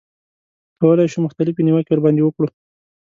کولای شو مختلفې نیوکې ورباندې وکړو.